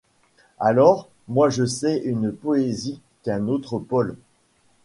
Alors, moi je sais une poésie d’un autre Paul.